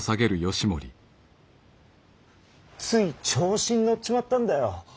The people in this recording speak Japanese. つい調子に乗っちまったんだよ。